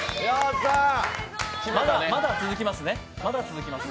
まだ続きますね。